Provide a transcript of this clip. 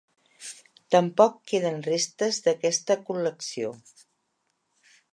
Tampoc queden restes d'aquesta col·lecció.